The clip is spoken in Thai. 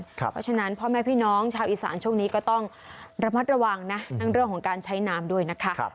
เพราะฉะนั้นพ่อแม่พี่น้องชาวอีสานช่วงนี้ก็ต้องระมัดระวังนะทั้งเรื่องของการใช้น้ำด้วยนะคะ